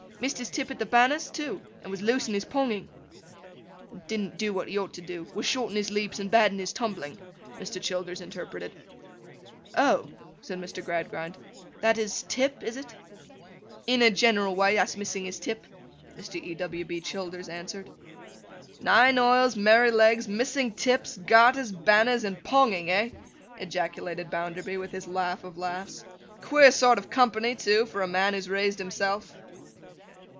'Missed his tip at the banners, too, and was loose in his ponging.' 'Didn't do what he ought to do. Was short in his leaps and bad in his tumbling,' Mr. Childers interpreted. 'Oh!' said Mr. Gradgrind, 'that is tip, is it?' 'In a general way that's missing his tip,' Mr. E. W. B. Childers answered. 'Nine oils, Merrylegs, missing tips, garters, banners, and Ponging, eh!' ejaculated Bounderby, with his laugh of laughs. 'Queer sort of company, too, for a man who has raised himself!